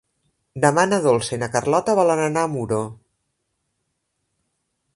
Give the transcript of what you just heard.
Demà na Dolça i na Carlota volen anar a Muro.